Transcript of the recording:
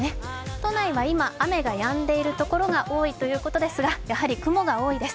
都内は今、雨がやんでいるところが多いということですが、やはり雲が多いです。